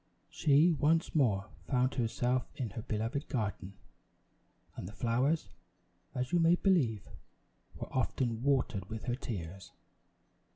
She once more found herself in her beloved garden, and the flowers, as you may believe, were often watered with her tears.